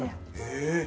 えっ！